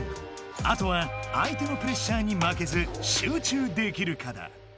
あとは相手のプレッシャーにまけず集中できるかだ。